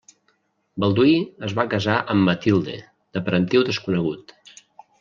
Balduí es va casar amb Matilde, de parentiu desconegut.